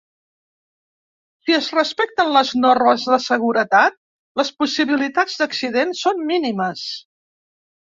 Si es respecten les normes de seguretat, les possibilitats d’accident són mínimes.